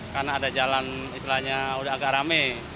karena ada jalan istilahnya udah agak rame